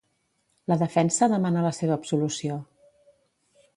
La defensa demana la seva absolució.